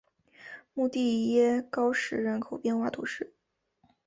穆蒂耶高石人口变化图示